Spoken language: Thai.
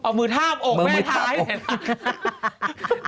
เอามือทาบอกแม่ทาให้ถ่าย